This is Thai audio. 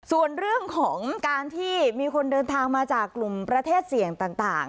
ส่วนเรื่องของการที่มีคนเดินทางมาจากกลุ่มประเทศเสี่ยงต่าง